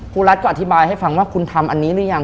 รัฐก็อธิบายให้ฟังว่าคุณทำอันนี้หรือยัง